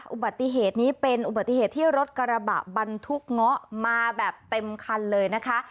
อุบัติเหตุนี้เป็นอุบัติเหตุที่รถกระบะบรรทุกเงาะมาแบบเต็มคันเลยนะคะ